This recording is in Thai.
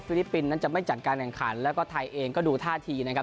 ฟิลิปปินซ์จะไม่จัดการแข่งขันและก็ไทยเอก็ดูท่าทีนะคะ